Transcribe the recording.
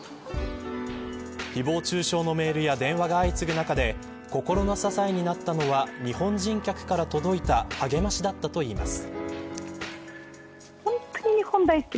ひぼう中傷のメールや電話が相次ぐ中で心の支えになったのは日本人客から届いた励ましだったといいます。